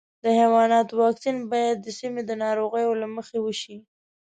د حیواناتو واکسین باید د سیمې د ناروغیو له مخې وشي.